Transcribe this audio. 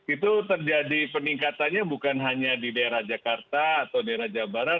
itu terjadi peningkatannya bukan hanya di daerah jakarta atau daerah jawa barat